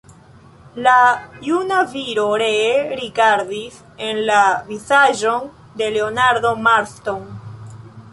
La juna viro ree rigardis en la vizaĝon de Leonardo Marston.